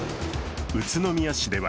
宇都宮市では